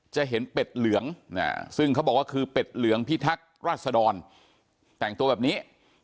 จะเห็นเป็ดเหลืองซึ่งเขาบอกว่าคือเป็ดเหลืองพิทักษ์ราชดรแต่งตัวแบบนี้